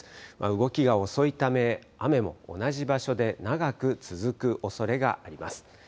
動きが遅いため雨も同じ場所で長く続くおそれがあります。